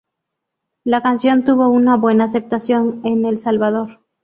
La canción tuvo una buena aceptación en El Salvador.